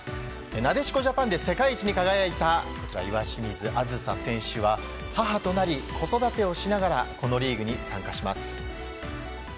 なでしこジャパンで世界一に輝いた岩清水梓選手は母となり、子育てをしながらこのリーグに参加します。